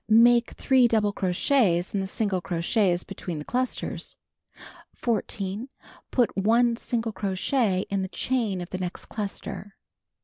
Make 3 double crochets in the single crochets between the clusters. 14. Put 1 single crochet in the chain of the next cluster.